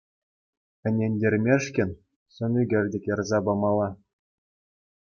Ӗнентермешкӗн сӑн ӳкерчӗк ярса памалла.